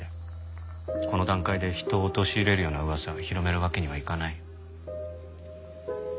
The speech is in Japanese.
この段階で人を陥れるような噂を広めるわけにはいかないよ。